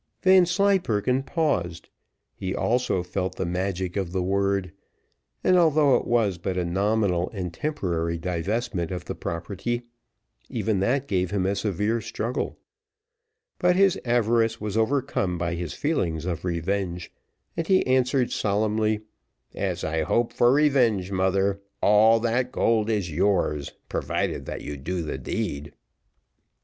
Vanslyperken paused; he also felt the magic of the word; and although it was but a nominal and temporary divestment of the property, even that gave him a severe struggle; but his avarice was overcome by his feelings of revenge, and he answered solemnly, "As I hope for revenge, mother, all that gold is yours, provided that you do the deed."